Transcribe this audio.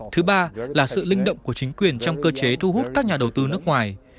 thứ ba là sự linh động của chính quyền trong cơ chế thu hút các nhà đầu tư nước ngoài